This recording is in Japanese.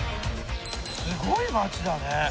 すごい街だね。